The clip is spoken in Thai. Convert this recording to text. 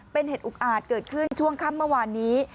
เป็นเหตุอุกอาจเกิดขึ้นช่วงค่ำเมื่อวานนี้